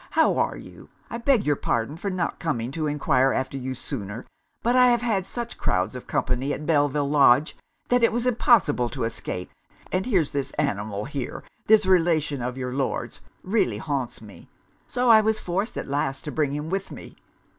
how are you? I beg your pardon for not coming to enquire after you sooner: but I have had such crowds of company at Belleville Lodge, that it was impossible to escape. And here's this animal here, this relation of your Lord's, really haunts me; so I was forced at last to bring him with me.'